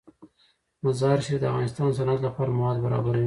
مزارشریف د افغانستان د صنعت لپاره مواد برابروي.